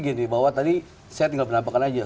gini bahwa tadi saya tinggal penampakan aja